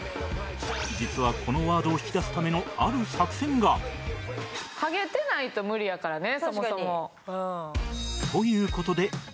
実はこのワードを引き出すためのある作戦がハゲてないと無理やからねそもそも。